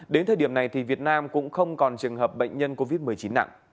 đến thời điểm này thì việt nam cũng không còn trường hợp bệnh nhân covid một mươi chín nặng